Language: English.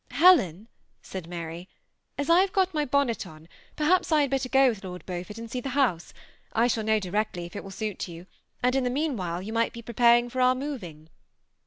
" Helen," said Mary, " as I have got my bonnet on, perhaps I had better go with Lord Beaufort and see the house. I shall know directly if it will suit you ; 802 THE SEBn ATTACHED COUPLE. and in the meanwhile you might be preparing for oar moving."